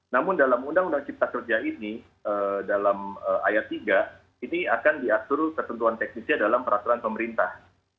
namun dalam undang undang cipta kerja ini dalam ayat tiga ini akan diatur ketentuan teknisnya dalam peraturan pemerintah